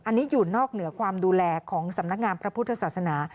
อันนี้อยู่นอกเหนือความดูแลของสำนักงานพระพุทธศาสนา